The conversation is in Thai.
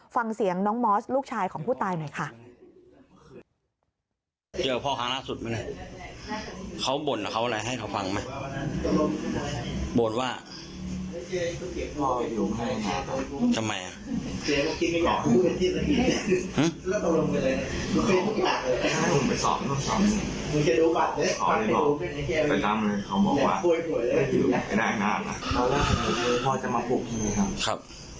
ฟังเสียงน้องมอสลูกชายของผู้ตายหน่อยค่ะ